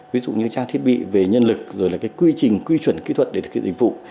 ví dụ như trang thiết bị về nhân lực rồi là cái quy trình quy chuẩn kỹ thuật để thực hiện dịch vụ